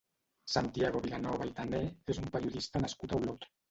Santiago Vilanova i Tané és un periodista nascut a Olot.